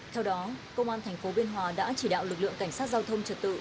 theo đó công an tp biên hòa đã chỉ đạo lực lượng cảnh sát giao thông trật tự